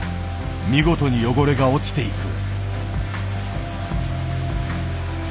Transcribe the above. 見事に汚れが落ちていく。